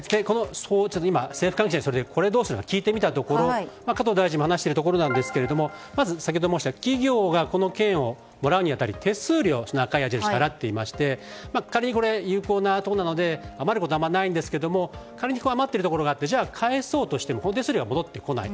政府関係者にどうするのか聞いてみたところ加藤大臣も話しているところですがまず企業がこの券をもらうに当たり手数料を払っていまして仮に有効なものなのですが仮に余っているところがあり返そうとしても手数料は帰ってこない。